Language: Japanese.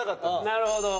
なるほど。